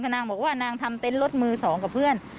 นางบอกว่านางทำเต็นต์รถมือ๒กับเพื่อน